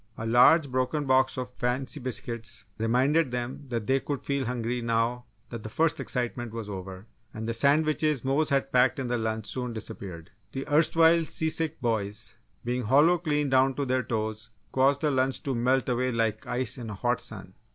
A large broken box of fancy biscuits reminded them that they could feel hungry now that the first excitement was over, and the sandwiches Mose had packed in the lunch soon disappeared. The erstwhile seasick boys, being hollow clean down to their toes, caused the lunch to melt away like ice in a hot sun.